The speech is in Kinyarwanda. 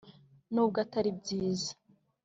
n' ubwo atari byiza,